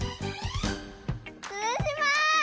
つぶします！